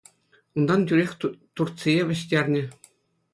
Унтан тӳрех Турцие вӗҫтернӗ.